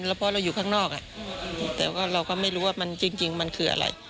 แล้วเพราะเราอยู่ข้างนอกแต่ว่าเราก็ไม่รู้ว่ามันจริงมันคืออะไร